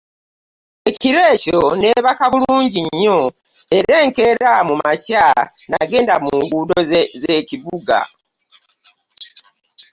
Ekiro ekyo nneebaka bulungi nnyo, era enkeera mu makya nnagenda mu nguudo z'ekibuga.